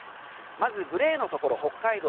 まずグレーのところ北海道